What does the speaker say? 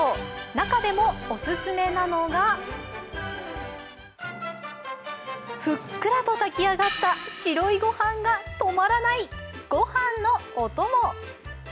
中でもオススメなのがふっくらと炊き上がった白い御飯が止まらない、御飯のお供。